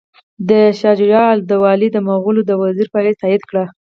ده شجاع الدوله د مغولو د وزیر په حیث تایید کړ.